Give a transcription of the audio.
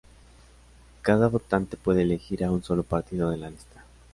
Cada votante puede elegir a un solo partido de la lista.